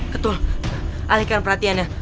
ketul alihkan perhatiannya